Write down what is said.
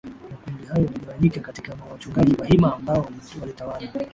Makundi hayo yaligawanyika katiya wachungaji Bahima ambao walitawala